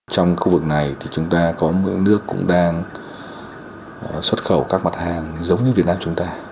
trong khu vực này thì chúng ta có những nước cũng đang xuất khẩu các mặt hàng giống như việt nam chúng ta